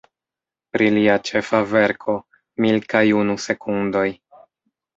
Pri lia ĉefa verko, Mil kaj unu sekundoj.